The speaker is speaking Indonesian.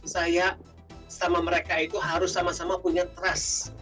saya sama mereka itu harus sama sama punya trust